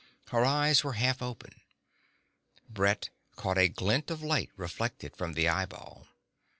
Her eyes were half open; Brett caught a glint of light reflected from the eyeball.